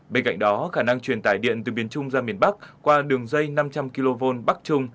bên cạnh đó khả năng truyền tải điện từ miền trung ra miền bắc qua đường dây năm trăm linh kv bắc trung